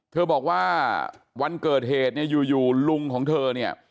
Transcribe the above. เธอบอกว่าวันเกิดเหตุเนี่ยอยู่ลุงของเธอเนี่ย